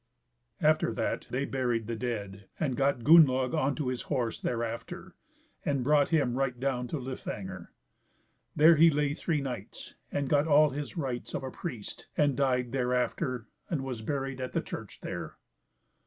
After that they buried the dead, and got Gunnlaug on to his horse thereafter, and brought him right down to Lifangr. There he lay three nights, and got all his rights of a priest, and died thereafter, and was buried at the church there.